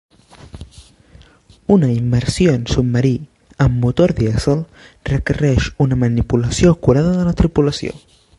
Una immersió en submarí amb motor dièsel requereix una manipulació acurada de la tripulació.